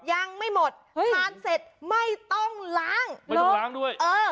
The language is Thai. ยังไม่หมดทานเสร็จไม่ต้องล้างไม่ต้องล้างด้วยเออ